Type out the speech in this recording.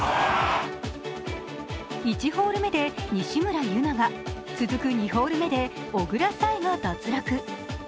１ホール目で西村優菜が続く２ホール目で小倉彩愛が脱落。